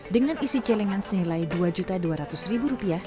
dengan isi celengan senilai rp dua dua ratus